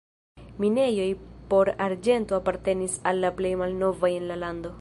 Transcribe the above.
Minejoj por arĝento apartenis al la plej malnovaj en la lando.